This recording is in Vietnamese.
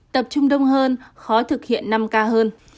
tập trung đông hơn khó thực hiện năm k hơn